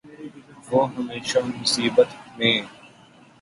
وہ ہمیشہ مصیبت میں